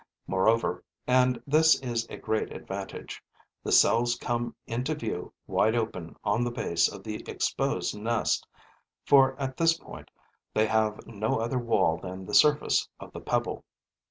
Moreover and this is a great advantage the cells come into view wide open on the base of the exposed nest, for at this point they have no other wall than the surface of the pebble.